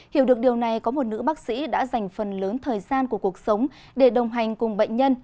hiểu được điều này có một nữ bác sĩ đã dành phần lớn thời gian của cuộc sống để đồng hành cùng bệnh nhân